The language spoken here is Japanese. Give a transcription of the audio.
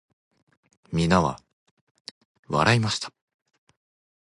皆は笑いました。